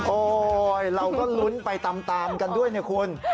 เราก็ลุ้นไปตามกันด้วยนะคุณ